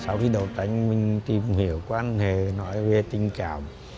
sau khi đầu tánh mình tìm hiểu quan hệ nói về tình cảm